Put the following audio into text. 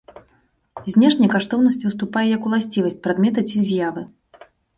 Знешне каштоўнасць выступае як уласцівасць прадмета ці з'явы.